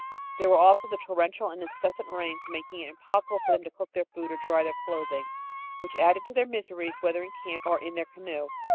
There were also the torrential and incessant rains making it impossible for them to cook their food or dry their clothing which added to their miseries whether in camp or in their canoe.